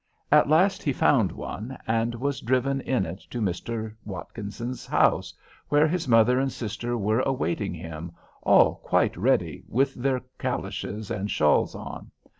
At last he found one, and was driven in it to Mr. Watkinson's house, where his mother and sister were awaiting him, all quite ready, with their calashes and shawls on.